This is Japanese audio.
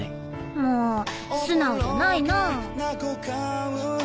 もう素直じゃないな。